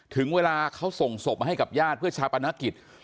ถึงเวลาเขาส่งศพมาให้กับญาติเพื่อชาปนกิจ